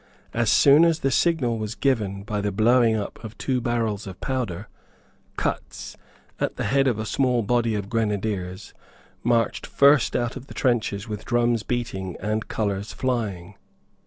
As soon as the signal was given by the blowing up of two barrels of powder, Cutts, at the head of a small body of grenadiers, marched first out of the trenches with drums beating and colours flying.